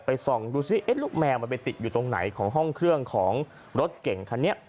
ส่องดูซิลูกแมวมันไปติดอยู่ตรงไหนของห้องเครื่องของรถเก่งคันนี้